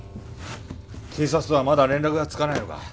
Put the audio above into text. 警察とはまだ連絡がつかないのか？